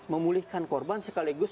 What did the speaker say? memulihkan korban sekaligus